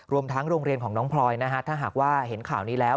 รวมทั้งโรงเรียนของน้องพลอยนะฮะถ้าหากว่าเห็นข่าวนี้แล้ว